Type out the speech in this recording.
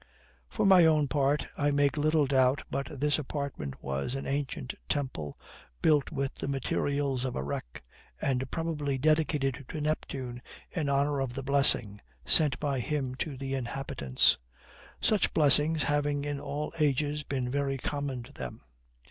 For my own part, I make little doubt but this apartment was an ancient temple, built with the materials of a wreck, and probably dedicated to Neptune in honor of THE BLESSING sent by him to the inhabitants; such blessings having in all ages been very common to them.